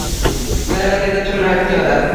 کرنې ته څومره اړتیا ده؟